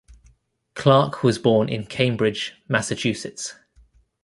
Clarke was born in Cambridge, Massachusetts.